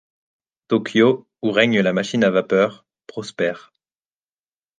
Tōkyō, où règne la machine à vapeur, prospère.